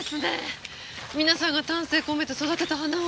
皆さんが丹精込めて育てた花を。